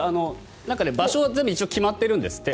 場所は全部決まっているんですって。